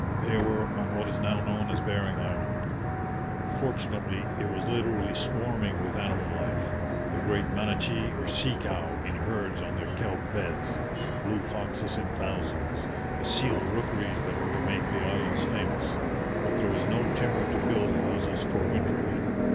They were on what is now known as Bering Island. Fortunately, it was literally swarming with animal life the great manatee or sea cow in herds on the kelp beds, blue foxes in thousands, the seal rookeries that were to make the islands famous; but there was no timber to build houses for wintering in.